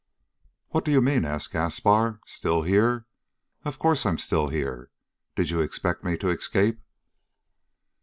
"What do you mean?" asked Gaspar. "Still here? Of course I'm still here! Did you expect me to escape?"